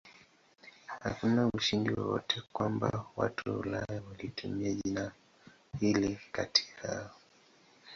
Hakuna ushahidi wowote kwamba watu wa Ulaya walitumia jina hili kati yao.